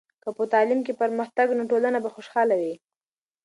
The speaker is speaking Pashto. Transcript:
که په تعلیم کې پرمختګ وي، نو ټولنه به خوشحاله وي.